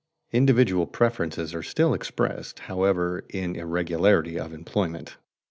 Individual preferences are still expressed, however, in irregularity of employment.